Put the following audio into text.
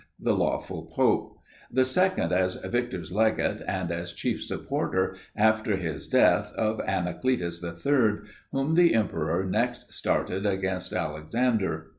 the lawful pope; the second as Victor's legate, and as chief supporter, after his death, of Anacletus III., whom the emperor next started against Alexander.